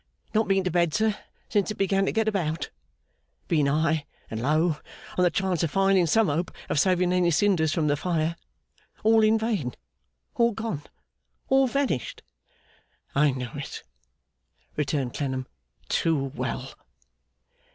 'Not been to bed, sir, since it began to get about. Been high and low, on the chance of finding some hope of saving any cinders from the fire. All in vain. All gone. All vanished.' 'I know it,' returned Clennam, 'too well.